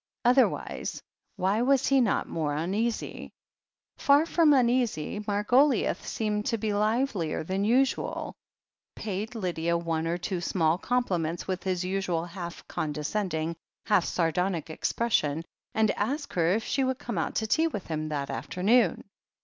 Otherwise, why was he not more uneasy? Far from uneasy, Margoliouth seemed to be livelier than usual, paid Lydia one or two small compliments with his usual half condescending, half sardonic expression, and THE HEEL OF ACHILLES 177 asked her if she would come out to tea with him that afternoon.